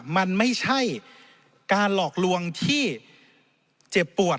มันไม่ใช่การหลอกลวงที่เจ็บปวด